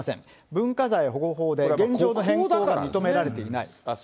文化財保護法で現状の変更が認められていない。